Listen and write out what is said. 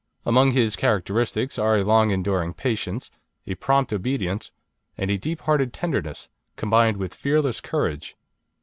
Among his characteristics are a long enduring patience, a prompt obedience, and a deep hearted tenderness, combined with fearless courage.